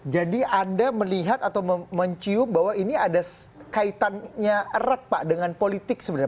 jadi anda melihat atau mencium bahwa ini ada kaitannya erat pak dengan politik sebenarnya